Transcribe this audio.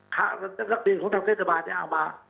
ค่ะนักเรียนของท่านเชษฐบาลนี้เอามา